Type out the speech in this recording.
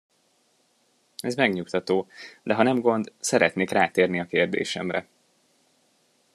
Ez megnyugtató, de ha nem gond, szeretnék rátérni a kérdésemre.